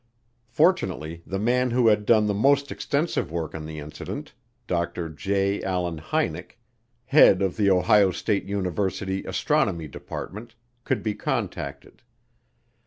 Fortunately the man who had done the most extensive work on the incident, Dr. J. Allen Hynek, head of the Ohio State University Astronomy Department, could be contacted.